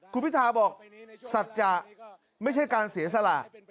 คุณพิทาบอกสัจจะไม่ใช่การเสียสละ